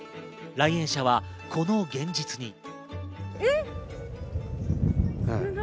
来園者はこの現実に。